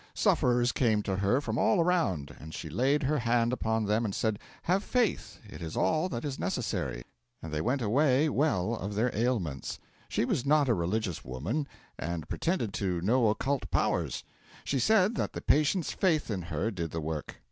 Sufferers came to her from all around, and she laid her hand upon them and said, 'Have faith it is all that is necessary,' and they went away well of their ailments. She was not a religious woman, and pretended to no occult powers. She said that the patient's faith in her did the work.